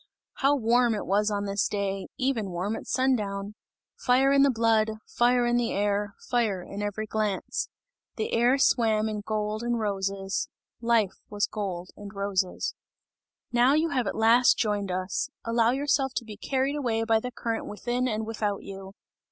How warm it was on this day, even warm at sundown! Fire in the blood, fire in the air, fire in every glance. The air swam in gold and roses, life was gold and roses. "Now you have at last joined us! Allow yourself to be carried away by the current within and without you!"